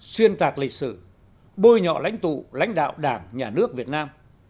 xuyên tạc lịch sử bôi nhọ lãnh tụ lãnh đạo đảng nhà nước việt nam